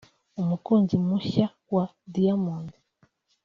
umukunzi mushya wa Diamond